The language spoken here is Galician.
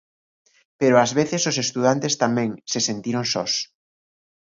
Pero ás veces os estudantes tamén se sentiron sós.